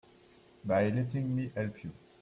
By letting me help you.